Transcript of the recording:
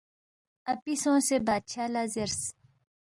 اپی سونگسے بادشاہ لہ زیرس،